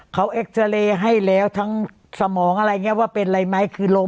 เขาเอ็กซาเรย์ให้แล้วทั้งสมองอะไรอย่างนี้ว่าเป็นอะไรไหมคือลง